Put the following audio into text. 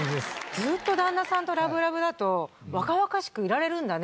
ずっと旦那さんとラブラブだと若々しくいられるんだね。